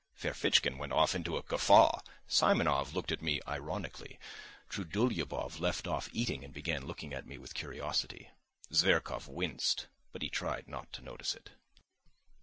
Ferfitchkin went off into a guffaw. Simonov looked at me ironically. Trudolyubov left off eating and began looking at me with curiosity. Zverkov winced, but he tried not to notice it.